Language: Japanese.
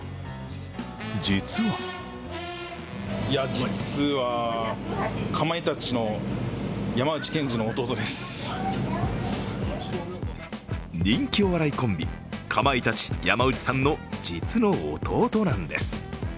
実は人気お笑いコンビ、かまいたち・山内さんの実の弟なんです。